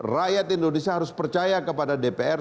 rakyat indonesia harus percaya kepada dpr